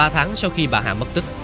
ba tháng sau khi bà hà mất tích